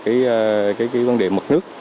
không kiểm soát được cái vấn đề mật nước